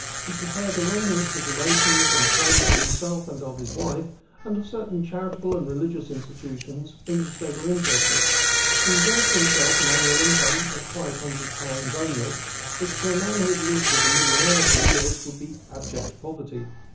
He prepared a long list of relations and friends of himself and of his wife, and of certain charitable and religious institutions in which they were interested. He reserved for himself an annual income of five hundred pounds only, which to a man who had lived as a millionaire for years would be abject poverty.